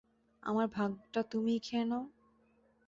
আমার ভাগটা তুমিই খেয়ে নাও।